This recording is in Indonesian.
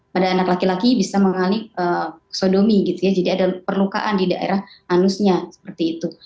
pada anak laki laki bisa mengalami sodomi gitu ya jadi ada perlukaan di daerah anusnya seperti itu